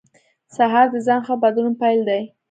سهار د ځان ښه بدلون پیل دی.